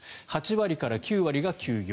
８割から９割が休業。